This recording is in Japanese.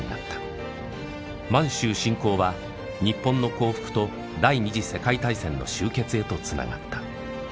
満州侵攻は日本の降伏と第二次世界大戦の終結へとつながった。